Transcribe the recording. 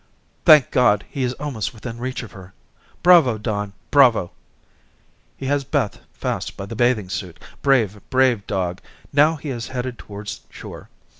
"Thank God, he is almost within reach of her. Bravo, Don, bravo. He has Beth fast by the bathing suit. Brave, brave dog. Now he has headed towards shore.